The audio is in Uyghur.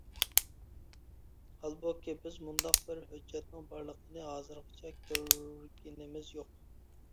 ھالبۇكى، بىز مۇنداق بىر ھۆججەتنىڭ بارلىقىنى ھازىرغىچە كۆرگىنىمىز يوق.